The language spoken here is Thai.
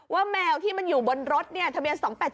แมวที่มันอยู่บนรถเนี่ยทะเบียน๒๘๗